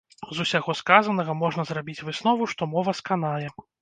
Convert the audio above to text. З усяго сказанага можна зрабіць выснову, што мова сканае.